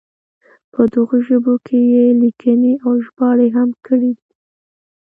په دغو ژبو کې یې لیکنې او ژباړې هم کړې دي.